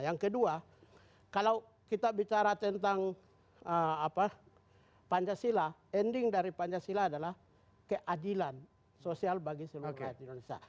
yang kedua kalau kita bicara tentang pancasila ending dari pancasila adalah keadilan sosial bagi seluruh rakyat indonesia